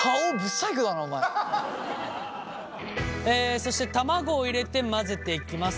そして卵を入れて混ぜていきます。